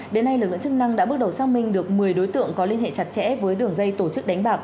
đến nay lực lượng chức năng đã bước đầu xác minh được một mươi đối tượng có liên hệ chặt chẽ với đường dây tổ chức đánh bạc